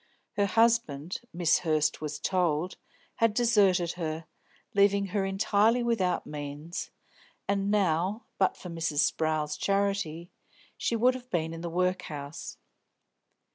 Her husband Miss Hurst was told had deserted her, leaving her entirely without means, and now, but for Mrs. Sprowl's charity, she would have been in the workhouse.